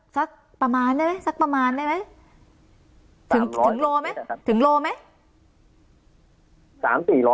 สักประมาณได้ไหมสักประมาณได้ไหมถึงโลไหมถึงโลไหม